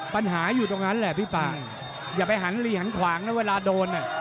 ปัญหาอยู่ตรงนั้นแหละพี่ป่าอย่าไปหันลีหันขวางนะเวลาโดน